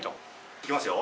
いきますよ。